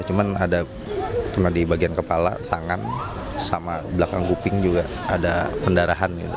cuman ada cuma di bagian kepala tangan sama belakang kuping juga ada pendarahan gitu